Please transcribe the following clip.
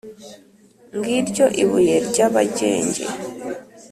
ngiryo ibuye rya bagenge